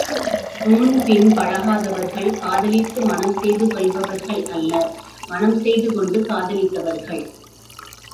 முன்பின் பழகாதவர்கள் காதலித்து மணம் செய்து கொண்டவர்கள் அல்லர், மணம் செய்து கொண்டு காதலித்தவர்கள்.